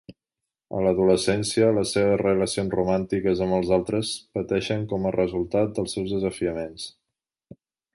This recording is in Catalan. En l'adolescència, les seves relacions romàntiques amb els altres pateixen com a resultat dels seus desafiaments.